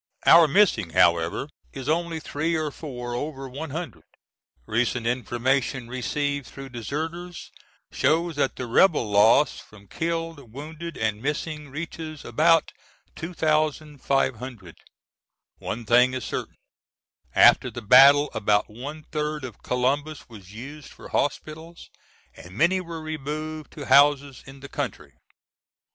Our missing however is only three or four over one hundred. Recent information received through deserters shows that the rebel loss from killed, wounded, and missing reaches about 2500. One thing is certain, after the battle about one third of Columbus was used for hospitals and many were removed to houses in the country.